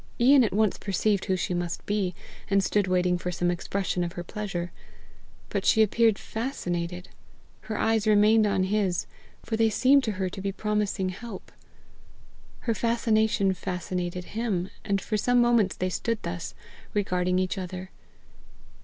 Ian at once perceived who she must be, and stood waiting for some expression of her pleasure. But she appeared fascinated; her eyes remained on his, for they seemed to her to be promising help. Her fascination fascinated him, and for some moments they stood thus, regarding each other.